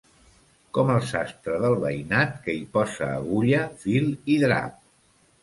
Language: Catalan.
Com el sastre del veïnat, que hi posa agulla, fil i drap.